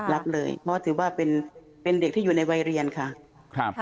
รับเลยเพราะถือว่าเป็นเด็กที่อยู่ในวัยเรียนค่ะ